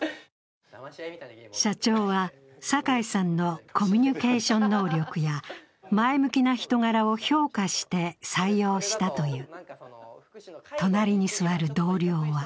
社長は酒井さんのコミュニケーション能力や前向きな人柄を評価して採用したという。